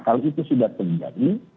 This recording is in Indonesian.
kalau itu sudah terjadi